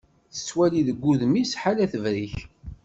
Tettwali deg wudem-is ḥala tebrek.